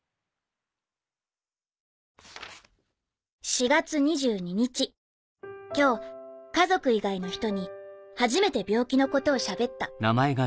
「４月２２日今日家族以外の人に初めて病気のことをしゃべった。